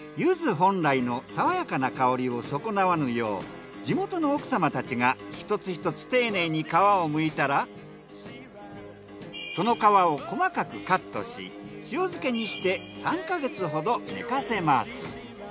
本来のさわやかな香りを損なわぬよう地元の奥様たちが１つ１つ丁寧に皮をむいたらその皮を細かくカットし塩漬けにして３か月ほど寝かせます。